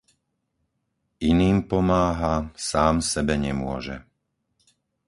Iným pomáha, sám sebe nemôže.